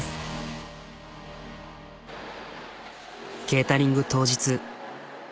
ケータリング当日。